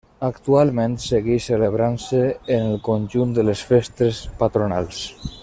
Actualment segueix celebrant-se en el conjunt de les Festes Patronals.